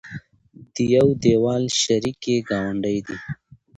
د يو دېول شریکې ګاونډۍ دي